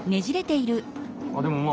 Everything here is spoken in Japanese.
あっでもまあ。